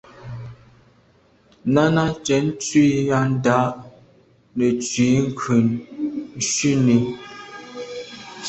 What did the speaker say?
Náná cɛ̌d tswî á ndǎ’ nə̀ tswì ŋkʉ̀n shúnī.